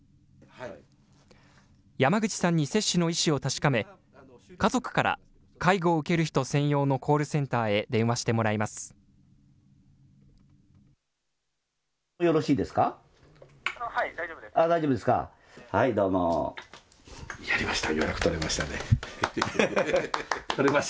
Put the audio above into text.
山口さんに接種の意思を確かめ、家族から介護を受ける人専用のコールセンターへ電話してもらいます。